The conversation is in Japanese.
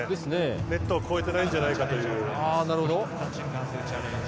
ネットを越えてないんじゃないかという。